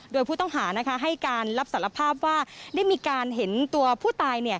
โดยผู้ต้องหาให้การรับสารภาพว่าได้มีการเห็นตัวผู้ตาย